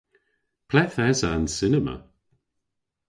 Ple'th esa an cinema?